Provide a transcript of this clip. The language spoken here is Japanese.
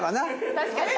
確かに。